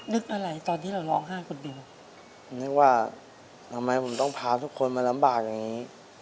นึกอะไรตอนที่เราร้องไห้คนเดียวผมนึกว่าทำไมผมต้องพาทุกคนมาลำบากอย่างนี้